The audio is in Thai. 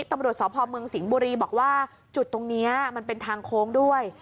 ตำรวจสพเมืองสิงห์บุรีบอกว่าจุดตรงนี้มันเป็นทางโค้งด้วย